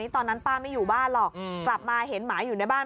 ตอนนั้นป้าไม่อยู่บ้านหรอกกลับมาเห็นหมาอยู่ในบ้าน